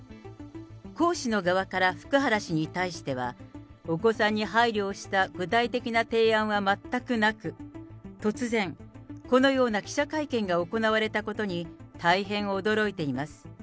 江氏の側から福原氏に対しては、お子さんに配慮をした具体的な提案は全くなく、突然このような記者会見が行われたことに大変驚いています。